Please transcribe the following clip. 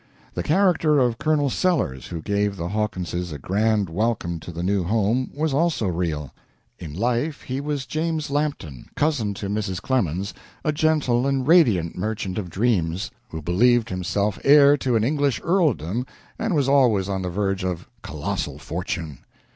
The character of Colonel Sellers, who gave the Hawkinses a grand welcome to the new home, was also real. In life he was James Lampton, cousin to Mrs. Clemens, a gentle and radiant merchant of dreams, who believed himself heir to an English earldom and was always on the verge of colossal fortune.